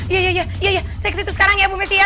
iya iya iya iya saya kesitu sekarang ya bu messi ya